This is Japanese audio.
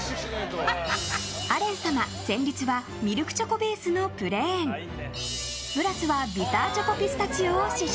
アレン様、戦慄はミルクチョコベースのプレーンブラスはビターチョコピスタチオを試食。